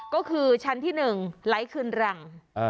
ก็คือชั้นที่๑ไร้คืนรัง